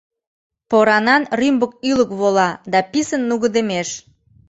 Поранан рӱмбык ӱлык вола да писын нугыдемеш.